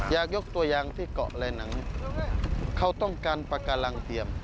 ยกตัวอย่างที่เกาะอะไรหนังเขาต้องการปากการังเทียม